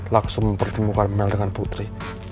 laksu mempertimbukan mel dengan putri